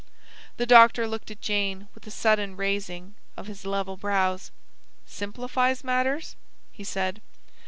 The doctor looked at Jane with a sudden raising of his level brows. "Simplifies matters?" he said.